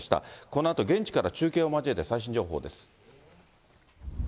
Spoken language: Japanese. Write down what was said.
このあと現地から中継を交えて最新情報です。